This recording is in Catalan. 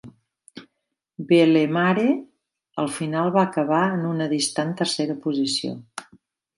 Bellemare al final va acabar en una distant tercera posició.